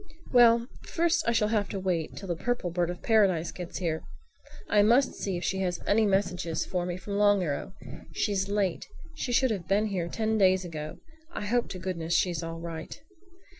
"Well, first I shall have to wait till the Purple Bird of Paradise gets here. I must see if she has any message for me from Long Arrow. She's late. She should have been here ten days ago. I hope to goodness she's all right."